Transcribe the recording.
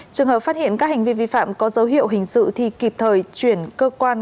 trường hợp phát hiện các hành vi vi phạm có dấu hiệu hình sự thì kịp thời chuyển cơ quan